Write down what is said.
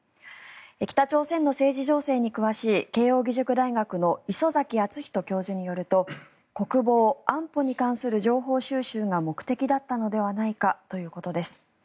北朝鮮の政治情勢に詳しい慶應義塾大学の礒崎敦仁教授によると国防・安保に関する情報収集が目的だったのではないかということです。